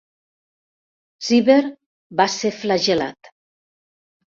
Cibber va ser flagel·lat.